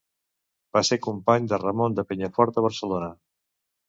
Va ser company de Ramon de Penyafort a Barcelona.